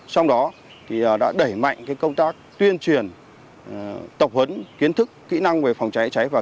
trong đó thì đã đẩy mạnh công tác tuyên truyền tộc hấn kiến thức kỹ năng về phòng cháy cháy và